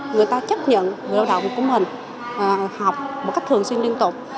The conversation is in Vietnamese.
người ta chấp nhận người lao động của mình học một cách thường xuyên liên tục